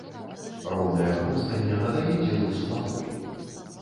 Роўнае хрумстанне надае дзеду супакой.